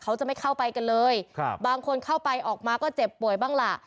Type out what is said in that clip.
เขาจะไม่เข้าไปกันเลยครับบางคนเข้าไปออกมาก็เจ็บป่วยบ้างล่ะ